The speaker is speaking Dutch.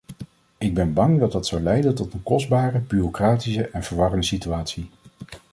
Ik ben bang dat dat zou leiden tot een kostbare, bureaucratische en verwarrende situatie.